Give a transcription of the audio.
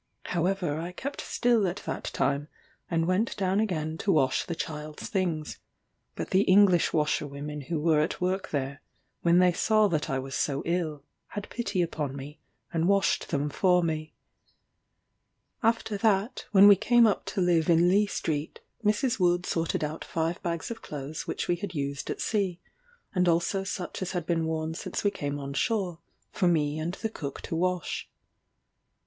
However I kept still at that time, and went down again to wash the child's things; but the English washerwomen who were at work there, when they saw that I was so ill, had pity upon me and washed them for me. After that, when we came up to live in Leigh Street, Mrs. Wood sorted out five bags of clothes which we had used at sea, and also such as had been worn since we came on shore, for me and the cook to wash.